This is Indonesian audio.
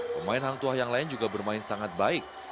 pemain hangtua yang lain juga bermain sangat baik